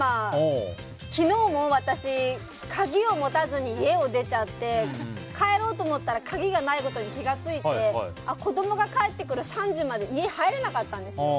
昨日も私、鍵を持たずに家を出ちゃって帰ろうと思ったら鍵がないことに気が付いて子供が帰ってくる３時まで家に入れなかったんです。